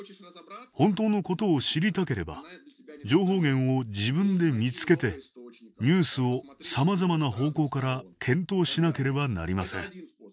本当のことを知りたければ情報源を自分で見つけてニュースをさまざまな方向から検討しなければなりません。